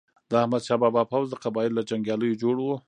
د احمد شاه بابا پوځ د قبایلو له جنګیالیو جوړ و.